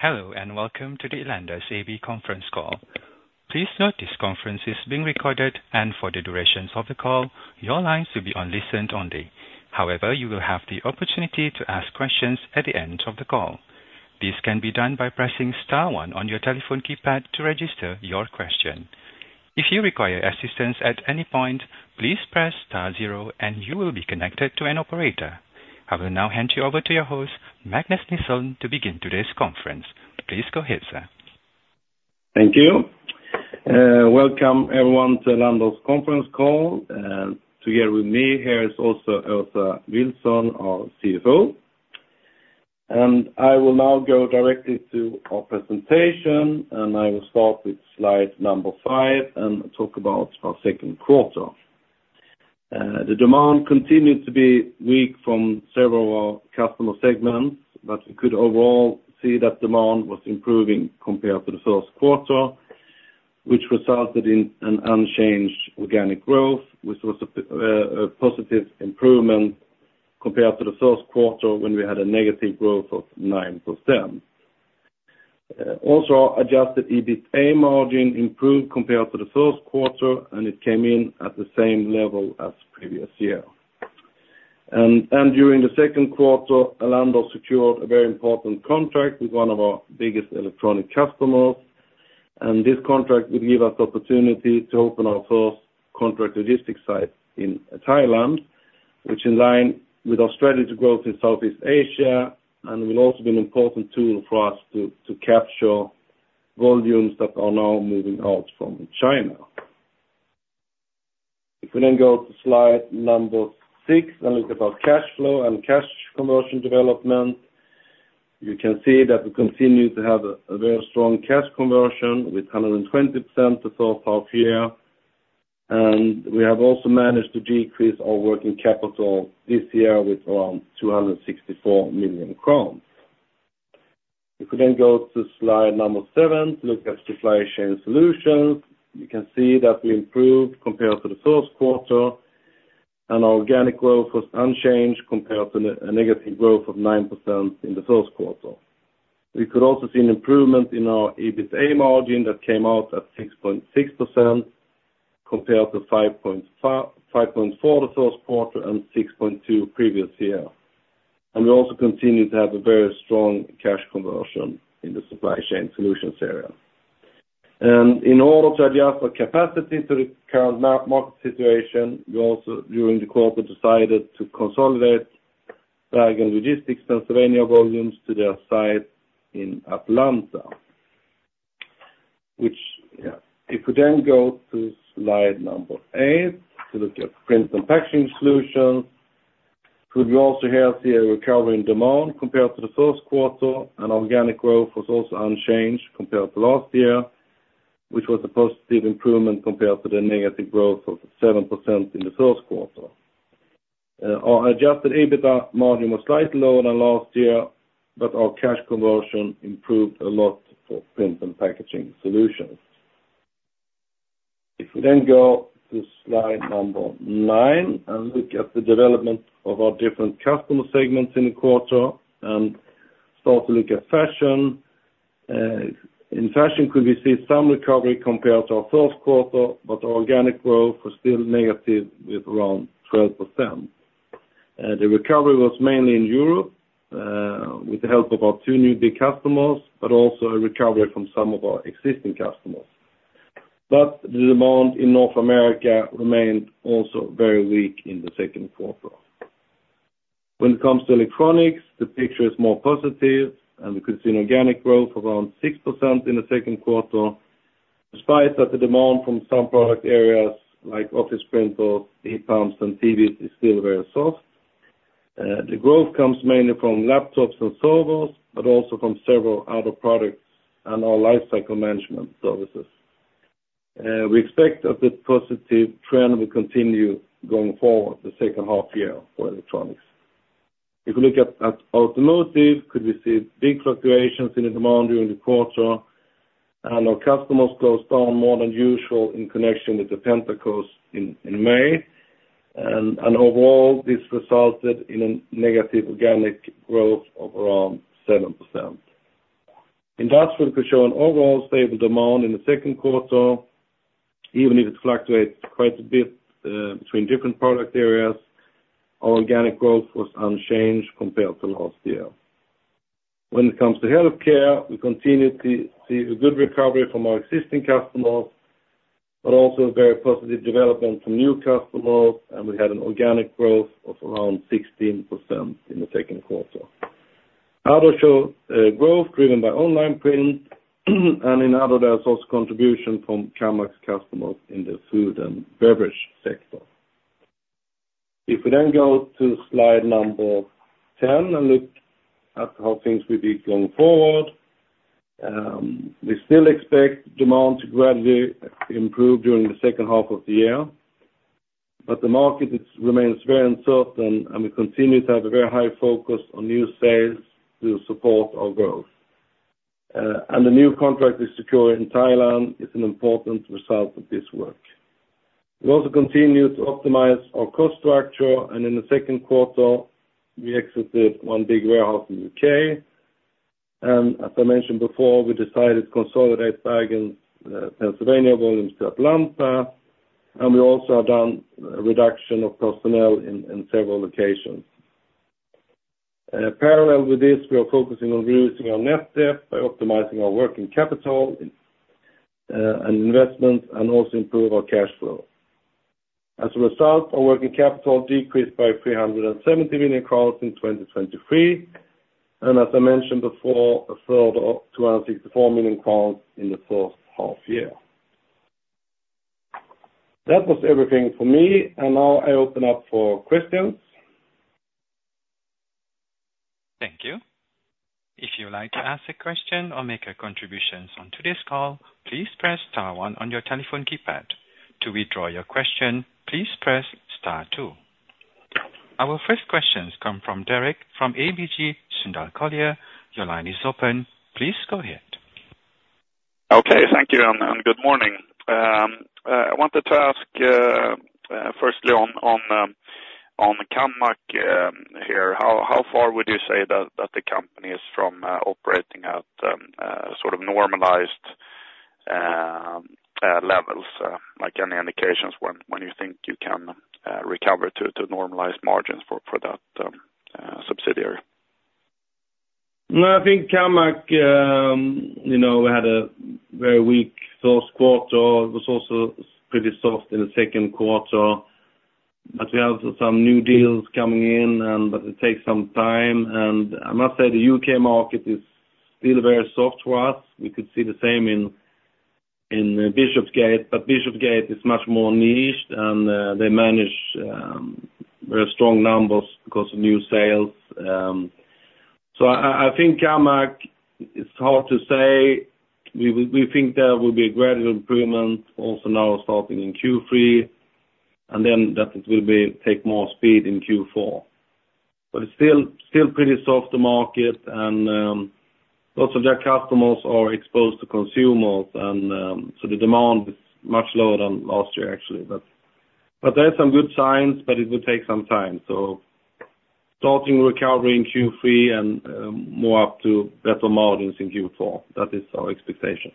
Hello, and welcome to the Elanders AB conference call. Please note this conference is being recorded, and for the duration of the call, your lines will be on listen only. However, you will have the opportunity to ask questions at the end of the call. This can be done by pressing star one on your telephone keypad to register your question. If you require assistance at any point, please press star zero, and you will be connected to an operator. I will now hand you over to your host, Magnus Nilsson, to begin today's conference. Please go ahead, sir. Thank you. Welcome, everyone, to Elanders conference call. Together with me here is also Peter Thylesen, our CFO, and I will now go directly to our presentation, and I will start with slide number five and talk about our second quarter. The demand continued to be weak from several customer segments, but we could overall see that demand was improving compared to the first quarter, which resulted in an unchanged organic growth, which was a positive improvement compared to the first quarter, when we had a negative growth of 9%. Also, adjusted EBITDA margin improved compared to the first quarter, and it came in at the same level as previous year. During the second quarter, Elanders secured a very important contract with one of our biggest electronic customers, and this contract will give us the opportunity to open our first contract logistics site in Thailand, which in line with our strategy growth in Southeast Asia, and will also be an important tool for us to capture volumes that are now moving out from China. If we then go to Slide 6 and look at our cash flow and cash conversion development, you can see that we continue to have a very strong cash conversion with 120% the first half year, and we have also managed to decrease our working capital this year with around 264 million crowns. If we then go to slide number 7, look at Supply Chain Solutions, you can see that we improved compared to the first quarter, and our organic growth was unchanged compared to a negative growth of 9% in the first quarter. We could also see an improvement in our EBITDA margin that came out at 6.6% compared to 5.4 the first quarter and 6.2 previous year. And we also continue to have a very strong cash conversion in the Supply Chain Solutions area. And in order to adjust our capacity to the current market situation, we also, during the quarter, decided to consolidate Bergen Logistics Pennsylvania volumes to their site in Atlanta, which, yeah. If we then go to Slide 8, to look at Print & Packaging Solutions, could we also here see a recovery in demand compared to the first quarter, and organic growth was also unchanged compared to last year, which was a positive improvement compared to the negative growth of 7% in the first quarter. Our Adjusted EBITDA margin was slightly lower than last year, but our cash conversion improved a lot for Print & Packaging Solutions. If we then go to Slide 9 and look at the development of our different customer segments in the quarter and start to look at fashion. In fashion, could we see some recovery compared to our first quarter, but organic growth was still negative with around 12%. The recovery was mainly in Europe, with the help of our two new big customers, but also a recovery from some of our existing customers. But the demand in North America remained also very weak in the second quarter. When it comes to electronics, the picture is more positive, and we could see an organic growth of around 6% in the second quarter, despite that the demand from some product areas like office printers, heat pumps and TVs is still very soft. The growth comes mainly from laptops and servers, but also from several other products and our life cycle management services. We expect that the positive trend will continue going forward the second half year for electronics. If you look at automotive, we could see big fluctuations in the demand during the quarter, and our customers closed down more than usual in connection with the Pentecost in May. Overall, this resulted in a negative organic growth of around 7%. Industrial could show an overall stable demand in the second quarter, even if it fluctuates quite a bit between different product areas. Our organic growth was unchanged compared to last year. When it comes to healthcare, we continue to see a good recovery from our existing customers, but also a very positive development from new customers, and we had an organic growth of around 16% in the second quarter. Others show growth driven by online print, and in others, there is also contribution from Kammac customers in the food and beverage sector. If we then go to slide number 10 and look at how things will be going forward, we still expect demand to gradually improve during the second half of the year, but the market remains very uncertain, and we continue to have a very high focus on new sales to support our growth. The new contract we secure in Thailand is an important result of this work. We also continue to optimize our cost structure, and in the second quarter, we exited one big warehouse in the U.K. As I mentioned before, we decided to consolidate the Pennsylvania volumes to Atlanta, and we also have done a reduction of personnel in several locations. Parallel with this, we are focusing on reducing our net debt by optimizing our working capital and investments, and also improve our cash flow. As a result, our working capital decreased by GBP 370 million in 2023, and as I mentioned before, a further GBP 264 million in the first half year. That was everything for me, and now I open up for questions. Thank you. If you'd like to ask a question or make a contribution on today's call, please press star one on your telephone keypad. To withdraw your question, please press star two. Our first question comes from Derek from ABG Sundal Collier. Your line is open. Please go ahead. Okay, thank you, and good morning. I wanted to ask, firstly on Kammac, here, how far would you say that the company is from operating at sort of normalized levels? Like, any indications when you think you can recover to normalized margins for that subsidiary? No, I think Kammac, you know, had a very weak first quarter. It was also pretty soft in the second quarter, but we have some new deals coming in but it takes some time, and I must say the U.K. market is still very soft for us. We could see the same in Bishopsgate, but Bishopsgate is much more niched and they manage very strong numbers because of new sales. So I think Kammac, it's hard to say. We think there will be a gradual improvement also now starting in Q3, and then that it will take more speed in Q4. But it's still pretty soft, the market, and also their customers are exposed to consumers, and so the demand is much lower than last year, actually. But there are some good signs, but it will take some time. So starting recovery in Q3 and, more up to better margins in Q4. That is our expectation.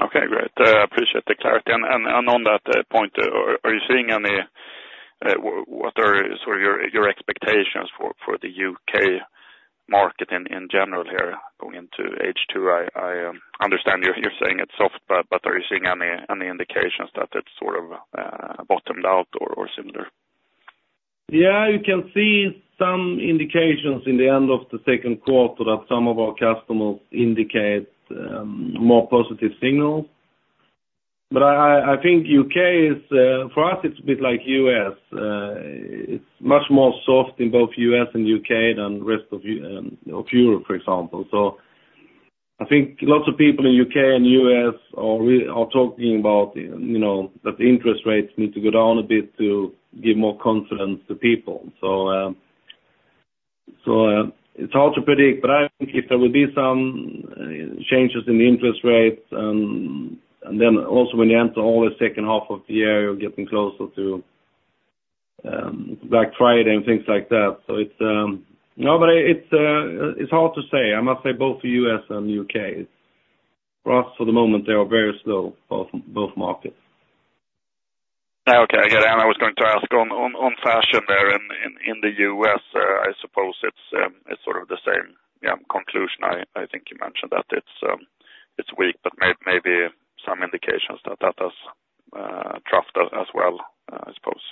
Okay, great. Appreciate the clarity. On that point, are you seeing any what are sort of your expectations for the U.K. market in general here going into H2? I understand you're saying it's soft, but are you seeing any indications that it's sort of bottomed out or similar? Yeah, you can see some indications in the end of the second quarter that some of our customers indicate more positive signals. But I think U.K. is for us, it's a bit like U.S. It's much more soft in both U.S. and U.K. than rest of Europe, for example. So I think lots of people in U.K. and U.S. are talking about, you know, that interest rates need to go down a bit to give more confidence to people. So it's hard to predict, but I think if there will be some changes in the interest rates, and then also when you enter all the second half of the year, you're getting closer to Black Friday and things like that. So it's no, but it's hard to say. I must say both the U.S. and U.K., it's... For us, for the moment, they are very slow, both, both markets. Okay, yeah, and I was going to ask on fashion there in the U.S. I suppose it's sort of the same, yeah, conclusion. I think you mentioned that it's weak, but maybe some indications that that does draft as well, I suppose.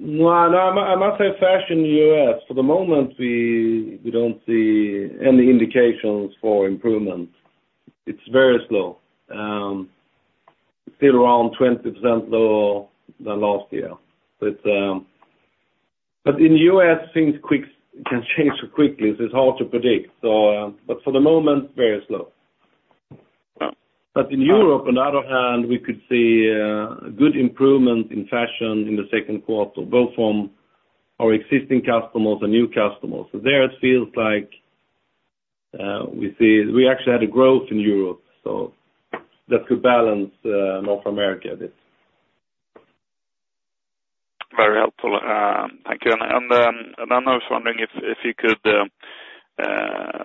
Well, I must say fashion U.S., for the moment, we don't see any indications for improvement. It's very slow. Still around 20% lower than last year. But in the U.S., things can change quickly, so it's hard to predict. So, but for the moment, very slow. But in Europe, on the other hand, we could see a good improvement in fashion in the second quarter, both from our existing customers and new customers. So there it feels like we actually had a growth in Europe, so that could balance North America a bit. Very helpful. Thank you. And then I was wondering if you could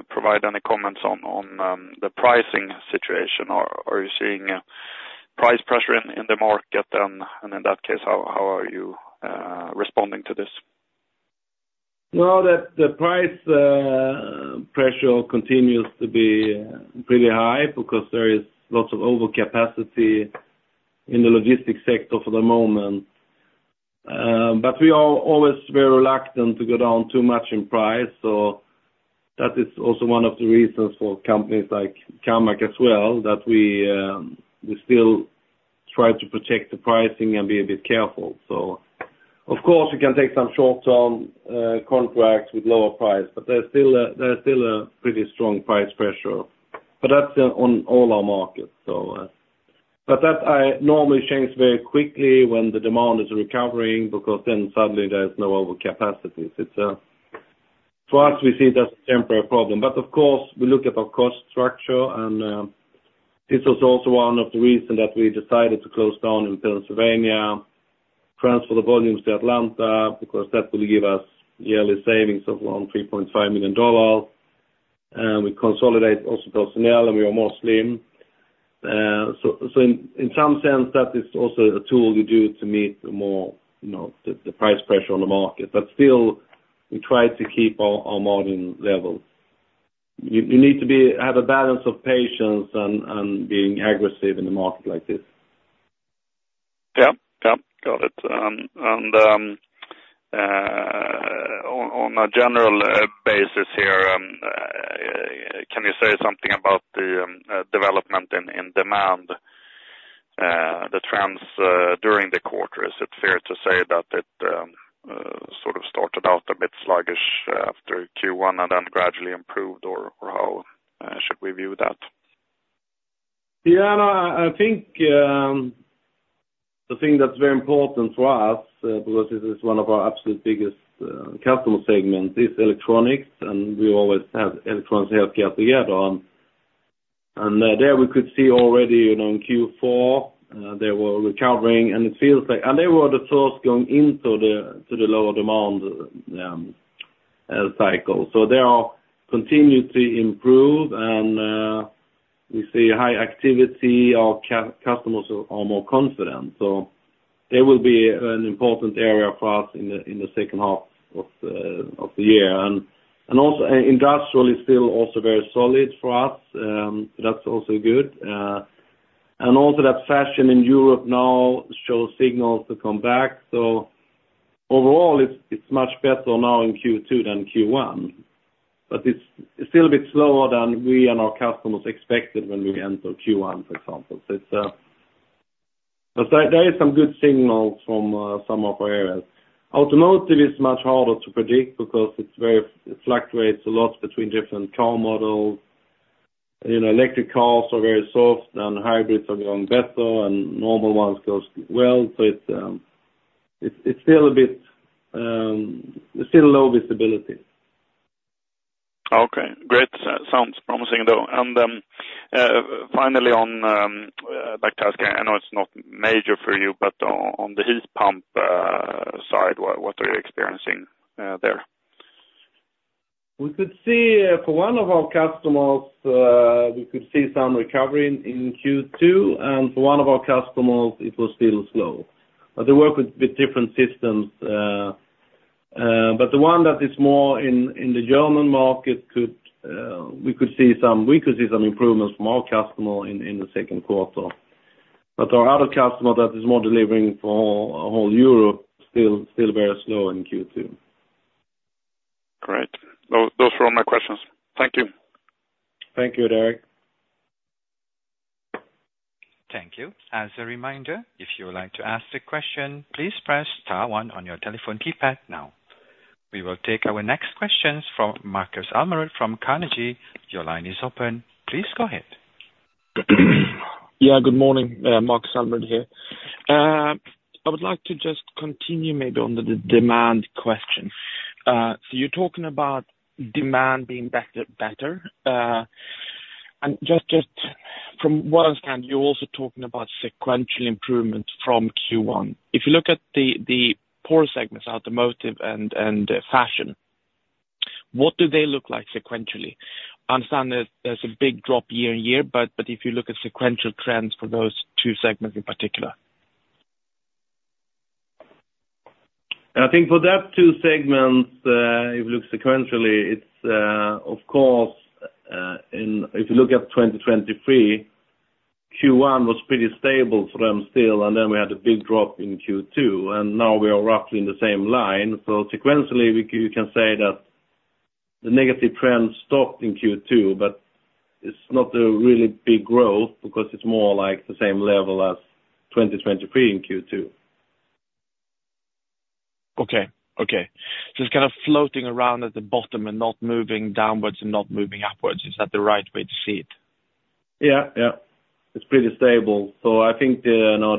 provide any comments on the pricing situation. Are you seeing price pressure in the market? And in that case, how are you responding to this? No, the price pressure continues to be pretty high because there is lots of overcapacity in the logistics sector for the moment. But we are always very reluctant to go down too much in price, so that is also one of the reasons for companies like Kammac as well, that we still try to protect the pricing and be a bit careful. So of course, we can take some short-term contracts with lower price, but there's still a pretty strong price pressure, but that's on all our markets. So but that normally changes very quickly when the demand is recovering, because then suddenly there's no overcapacity. It's so as we see it, that's a temporary problem. But of course, we look at our cost structure, and this was also one of the reasons that we decided to close down in Pennsylvania, transfer the volumes to Atlanta, because that will give us yearly savings of around $3.5 million. And we consolidate also personnel, and we are more slim. So in some sense, that is also a tool we do to meet the more, you know, the price pressure on the market, but still we try to keep our margin level. You need to have a balance of patience and being aggressive in the market like this. Yeah, yeah. Got it. And on a general basis here, can you say something about the development in demand, the trends during the quarter? Is it fair to say that it sort of started out a bit sluggish after Q1 and then gradually improved, or how should we view that? Yeah, no, I think the thing that's very important for us, because this is one of our absolute biggest customer segments, is electronics, and we always have electronics, healthcare together. And there we could see already, you know, in Q4, they were recovering, and it feels like, and they were the first going into the lower demand cycle. So they are continuing to improve, and we see high activity. Our customers are more confident. So they will be an important area for us in the second half of the year. And also, industrially, still also very solid for us, that's also good. And also, that fashion in Europe now shows signals to come back. So overall, it's much better now in Q2 than Q1, but it's still a bit slower than we and our customers expected when we entered Q1, for example. So it's but there is some good signals from some of our areas. Automotive is much harder to predict because it's very, it fluctuates a lot between different car models. You know, electric cars are very soft, and hybrids are going better, and normal ones goes well. So it's still a bit still low visibility. Okay, great. Sounds promising, though. Finally, back to asking, I know it's not major for you, but on the heat pump side, what are you experiencing there? We could see, for one of our customers, we could see some recovery in Q2, and for one of our customers, it was still slow. But they work with different systems, but the one that is more in the German market, we could see some improvements from our customer in the second quarter. But our other customer that is more delivering for all Europe, still very slow in Q2. Great. Those were all my questions. Thank you. Thank you, Derek. Thank you. As a reminder, if you would like to ask a question, please press star one on your telephone keypad now. We will take our next questions from Markus Almerud from Carnegie. Your line is open. Please go ahead. Yeah, good morning, Markus Almerud here. I would like to just continue maybe on the demand question. So you're talking about demand being better, and just from what I understand, you're also talking about sequential improvement from Q1. If you look at the poor segments, automotive and fashion, what do they look like sequentially? I understand there's a big drop year-over-year, but if you look at sequential trends for those two segments in particular. I think for that two segments, if you look sequentially, it's, of course, if you look at 2023, Q1 was pretty stable for them still, and then we had a big drop in Q2, and now we are roughly in the same line. So sequentially, we, you can say that the negative trend stopped in Q2, but it's not a really big growth because it's more like the same level as 2023 in Q2. Okay. Okay. So it's kind of floating around at the bottom and not moving downwards and not moving upwards. Is that the right way to see it? Yeah, yeah. It's pretty stable. So I think, you know,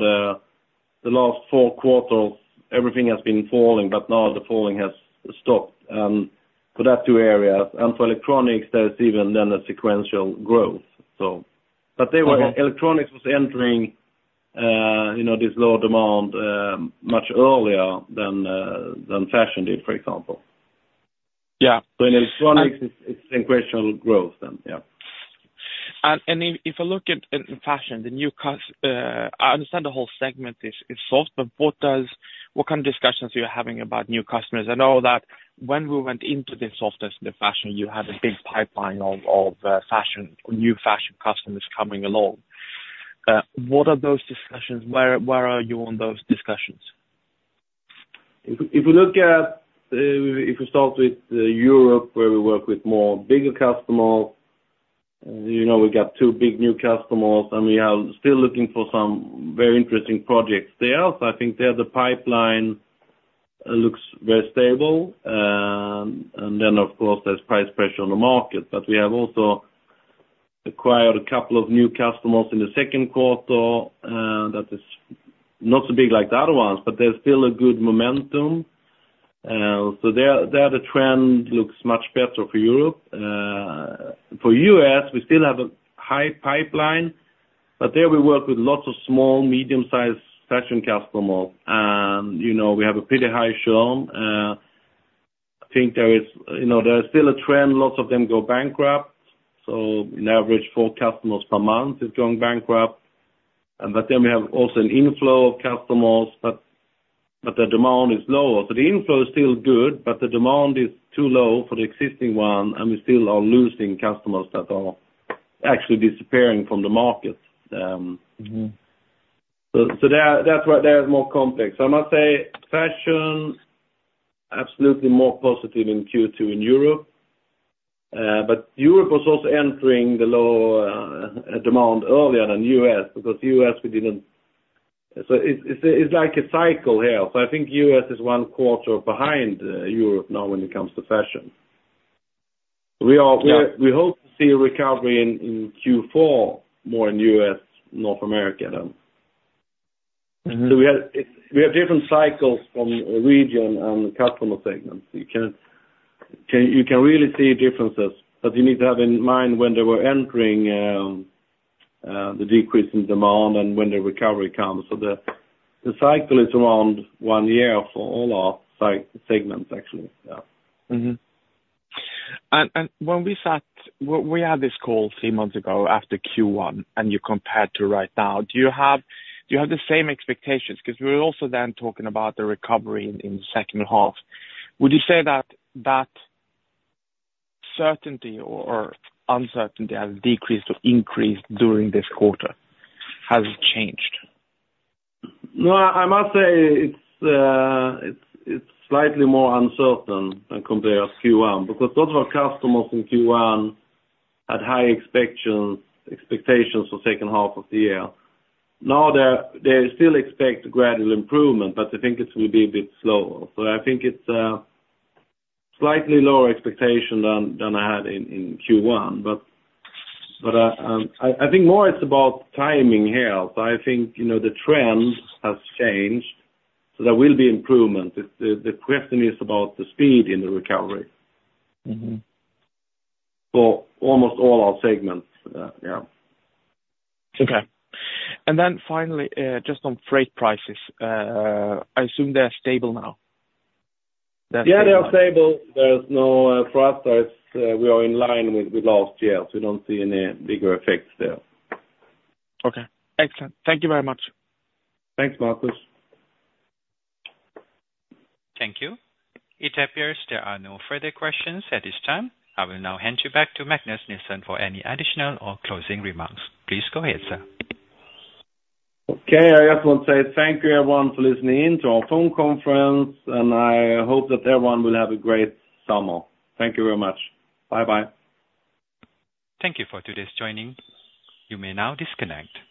the last four quarters, everything has been falling, but now the falling has stopped, for that two areas. And for electronics, there's even then a sequential growth, so- Uh- But then electronics was entering, you know, this lower demand, much earlier than fashion did, for example. Yeah. In electronics, it's sequential growth then. Yeah. If I look at fashion, the new customers, I understand the whole segment is soft, but what kind of discussions are you having about new customers? I know that when we went into the softness in the fashion, you had a big pipeline of fashion new fashion customers coming along. What are those discussions? Where are you on those discussions? If we start with Europe, where we work with more bigger customers, you know, we got two big new customers, and we are still looking for some very interesting projects there. So I think there, the pipeline looks very stable. And then, of course, there's price pressure on the market, but we have also acquired a couple of new customers in the second quarter that is not so big like the other ones, but there's still a good momentum. So there, there the trend looks much better for Europe. For U.S., we still have a high pipeline, but there we work with lots of small, medium-sized fashion customers, and, you know, we have a pretty high churn. I think there is, you know, there is still a trend, lots of them go bankrupt. So on average, four customers per month is going bankrupt. But then we have also an inflow of customers, but the demand is lower. So the inflow is still good, but the demand is too low for the existing one, and we still are losing customers that are actually disappearing from the market. So there, that's why it's more complex. I must say, fashion, absolutely more positive in Q2 in Europe. But Europe was also entering the lower demand earlier than U.S., because U.S., we didn't... So it's like a cycle here. So I think U.S. is one quarter behind, Europe now when it comes to fashion. We are- Yeah. We hope to see a recovery in Q4, more in U.S., North America, then. Mm-hmm. So we have different cycles from region and customer segments. You can really see differences, but you need to have in mind when they were entering the decrease in demand and when the recovery comes. So the cycle is around one year for all our segments, actually. Yeah. Mm-hmm. And, and when we, we had this call three months ago after Q1, and you compared to right now, do you have, do you have the same expectations? Because we were also then talking about the recovery in, in the second half. Would you say that that certainty or, or uncertainty has decreased or increased during this quarter? Has it changed? No, I must say it's slightly more uncertain than compared with Q1, because those were customers in Q1 had high expectations for second half of the year. Now, they still expect gradual improvement, but they think it will be a bit slower. So I think it's slightly lower expectation than I had in Q1. But I think more it's about timing here. So I think, you know, the trend has changed, so there will be improvement. The question is about the speed in the recovery. Mm-hmm. For almost all our segments, yeah. Okay. And then finally, just on freight prices, I assume they're stable now. Yeah, they are stable. There's no, for us, there's, we are in line with, with last year, so we don't see any bigger effects there. Okay, excellent. Thank you very much. Thanks, Markus. Thank you. It appears there are no further questions at this time. I will now hand you back to Magnus Nilsson for any additional or closing remarks. Please go ahead, sir. Okay. I just want to say thank you, everyone, for listening in to our phone conference, and I hope that everyone will have a great summer. Thank you very much. Bye-bye. Thank you for joining today. You may now disconnect.